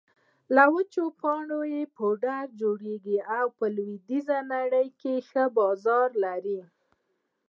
له وچو پاڼو يې پوډر جوړېږي او په لویدېزه نړۍ کې ښه بازار لري